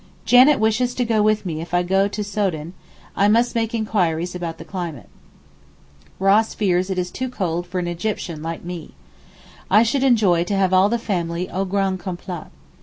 Janet wishes to go with me if I go to Soden, I must make enquiries about the climate. Ross fears it is too cold for an Egyptian like me. I should enjoy to have all the family au grand complet.